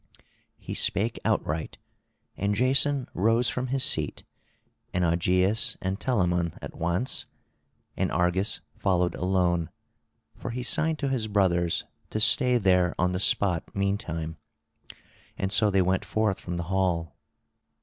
He spake outright; and Jason rose from his seat, and Augeias and Telamon at once; and Argus followed alone, for he signed to his brothers to stay there on the spot meantime; and so they went forth from the hall.